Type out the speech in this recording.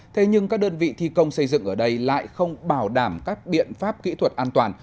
thế nhưng các đơn vị thi công xây dựng ở đây lại không bảo đảm các biện pháp kỹ thuật an toàn